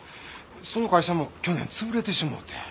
その会社も去年潰れてしもて。